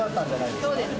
そうですね。